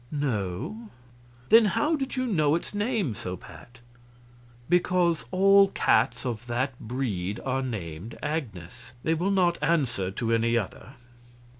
"No." "Then how did you know its name so pat?" "Because all cats of that breed are named Agnes; they will not answer to any other."